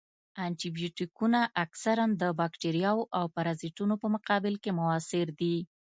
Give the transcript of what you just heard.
انټي بیوټیکونه اکثراً د باکتریاوو او پرازیتونو په مقابل کې موثر دي.